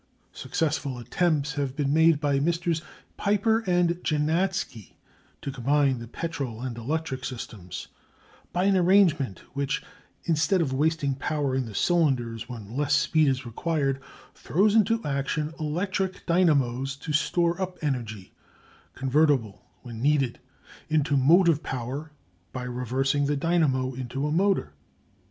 Successful attempts have been made by MM. Pieper and Jenatsky to combine the petrol and electric systems, by an arrangement which instead of wasting power in the cylinders when less speed is required, throws into action electric dynamos to store up energy, convertible, when needed, into motive power by reversing the dynamo into a motor.